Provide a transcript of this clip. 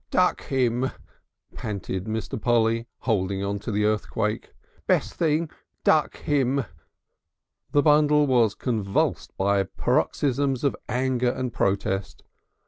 "Duck him!" panted Mr. Polly, holding on to the earthquake. "Bes' thing duck him." The bundle was convulsed by paroxysms of anger and protest.